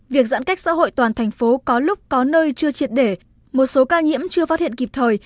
việc giãn cách xã hội toàn thành phố có lúc có nơi chưa triệt để một số ca nhiễm chưa phát hiện kịp thời